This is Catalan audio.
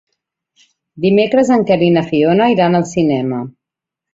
Dimecres en Quer i na Fiona iran al cinema.